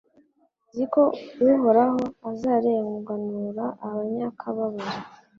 Nzi ko Uhoraho azarenganura abanyakababaro